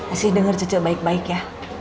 esi denger cece baik baik ya